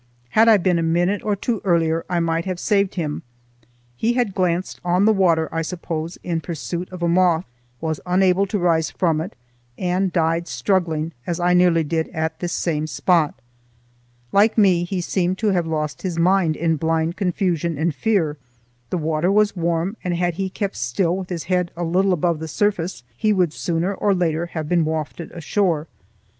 Had I been a minute or two earlier, I might have saved him. He had glanced on the water I suppose in pursuit of a moth, was unable to rise from it, and died struggling, as I nearly did at this same spot. Like me he seemed to have lost his mind in blind confusion and fear. The water was warm, and had he kept still with his head a little above the surface, he would sooner or later have been wafted ashore.